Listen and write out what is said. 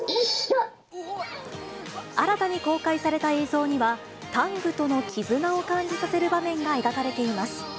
新たに公開された映像には、タングとの絆を感じさせる場面が描かれています。